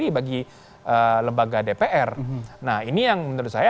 iya ini kan semua orang yang sudah lama ya